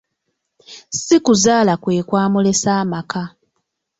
Si kuzaala kwe kwamulesa amaka.